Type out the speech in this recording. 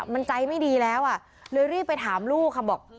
มันใจไม่ดีแล้วอ่ะเลยรีบไปถามลูกค่ะบอก